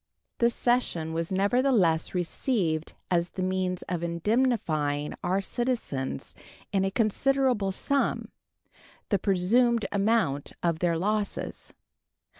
This cession was nevertheless received as the means of indemnifying our citizens in a considerable sum, the presumed amount of their losses.